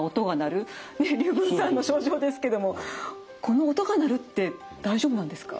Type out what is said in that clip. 龍文さんの症状ですけどもこの「音が鳴る」って大丈夫なんですか？